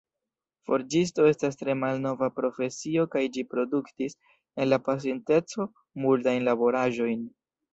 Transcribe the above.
Forĝisto estas tre malnova profesio kaj ĝi produktis, en la pasinteco, multajn laboraĵojn.